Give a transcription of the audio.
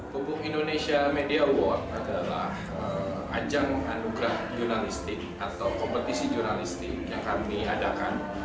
pupuk indonesia media award adalah ajang anugerah jurnalistik atau kompetisi jurnalistik yang kami adakan